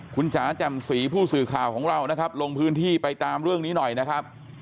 คุณจ๋าแจ่มสีผู้สื่อข่าวของเรานะครับลงพื้นที่ไปตามเรื่องนี้หน่อยนะครับ